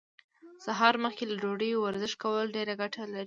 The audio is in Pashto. سهار مخکې له ډوډۍ ورزش کول ډيره ګټه لري.